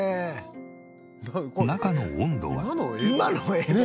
中の温度は。